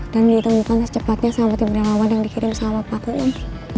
dan ditemukan secepatnya sama tim berlawan yang dikirim sama pakku om